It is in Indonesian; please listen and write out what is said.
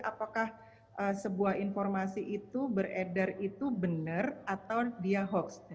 apakah sebuah informasi itu beredar itu benar atau dia hoax